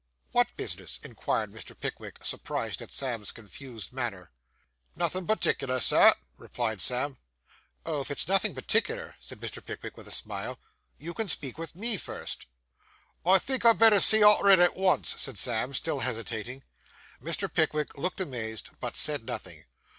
'What business?' inquired Mr. Pickwick, surprised at Sam's confused manner. 'Nothin' partickler, Sir,' replied Sam. 'Oh, if it's nothing particular,' said Mr. Pickwick, with a smile, 'you can speak with me first.' 'I think I'd better see arter it at once,' said Sam, still hesitating. Mr. Pickwick looked amazed, but said nothing.